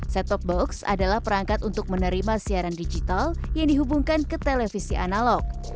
set top box adalah perangkat untuk menerima siaran digital yang dihubungkan ke televisi analog